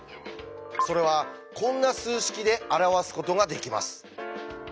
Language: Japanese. それはこんな数式で表すことができます。